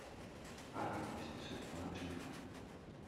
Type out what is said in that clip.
Pardon, vy jste se ptala dříve.